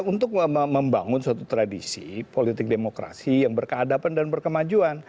untuk membangun suatu tradisi politik demokrasi yang berkeadapan dan berkemajuan